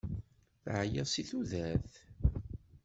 Teεyiḍ si tudert?